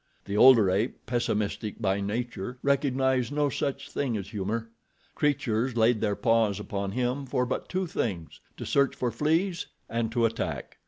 The older ape, pessimistic by nature, recognized no such thing as humor. Creatures laid their paws upon him for but two things—to search for fleas and to attack.